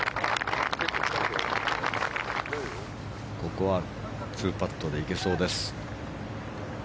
ここは２パットで行けそうです。